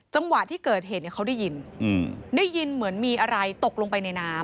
จังหวะที่เกิดเหตุเนี่ยเขาได้ยินได้ยินเหมือนมีอะไรตกลงไปในน้ำ